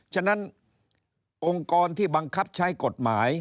ฉะนั้นองค์กรที่บังคับใช้กฎหมาย